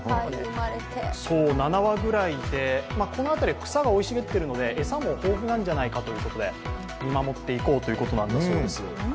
７羽ぐらいいて、この辺り、草も生い茂っているので、餌も豊富なんじゃないかということで見守っていこうということなんだそうです。